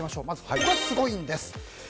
まず、ここがすごいんです。